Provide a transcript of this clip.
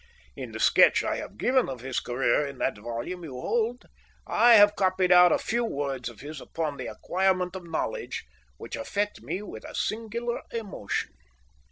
In the sketch I have given of his career in that volume you hold, I have copied out a few words of his upon the acquirement of knowledge which affect me with a singular emotion."